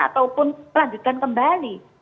ataupun dilanjutkan kembali